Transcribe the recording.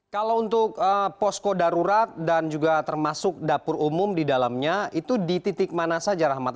kalau untuk posko darurat dan juga termasuk dapur umum di dalamnya itu di titik mana saja rahmat